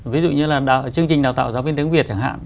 ví dụ như là chương trình đào tạo giáo viên tiếng việt chẳng hạn